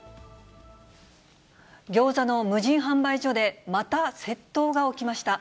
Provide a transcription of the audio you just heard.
ギョーザの無人販売所で、また窃盗が起きました。